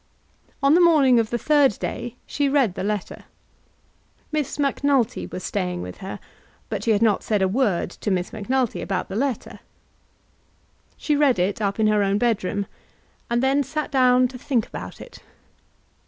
On the morning of the third day she read the letter. Miss Macnulty was staying with her, but she had not said a word to Miss Macnulty about the letter. She read it up in her own bedroom, and then sat down to think about it.